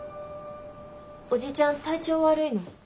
おじちゃん体調悪いの？